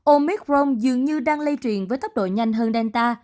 omicron dường như đang lây truyền với tốc độ nhanh hơn delta